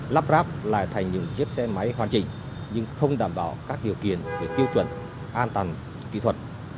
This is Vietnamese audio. lắp ráp lại thành những chiếc xe máy hoàn chỉnh nhưng không đảm bảo các điều kiện về tiêu chuẩn an toàn kỹ thuật